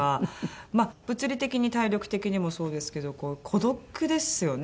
まあ物理的に体力的にもそうですけど孤独ですよね。